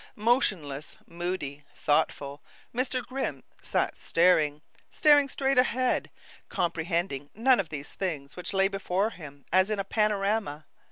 Motionless, moody, thoughtful, Mr. Grimm sat staring, staring straight ahead, comprehending none of these things which lay before him as in a panorama.